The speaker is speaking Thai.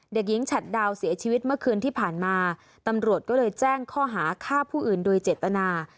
เด็กหญิงฉัดดาวเสียชีวิตเมื่อคืนที่ผ่านมาตำรวจก็เลยแจ้งข้อหาฆ่าผู้อื่นโดยเจตนา